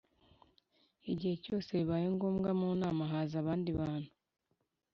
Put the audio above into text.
igihe cyose bibaye ngombwa mu nama haza abandi bantu